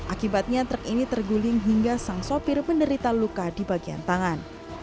akibatnya truk ini terguling hingga sang sopir menderita luka di bagian tangan